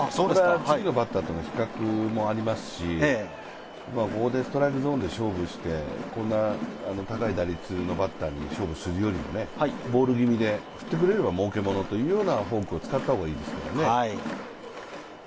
次のバッターとの比較もありますし、ここでストライクゾーンで勝負してこんな高い打率のバッターに勝負するよりもボール気味で振ってくれればもうけものというフォークを使った方がいいですよね。